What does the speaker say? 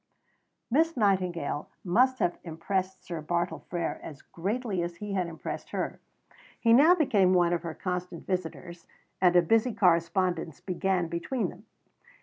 Miss Nightingale must have impressed Sir Bartle Frere as greatly as he had impressed her. He now became one of her constant visitors, and a busy correspondence began between them.